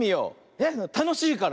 えったのしいから。